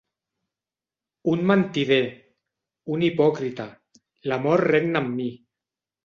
Un mentider, un hipòcrita, l'amor regna en mi.